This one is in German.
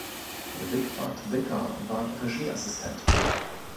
Wigbert Wicker war Regieassistent.